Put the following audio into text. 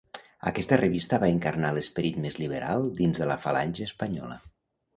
Aquesta revista va encarnar l'esperit més liberal dins de la Falange Espanyola.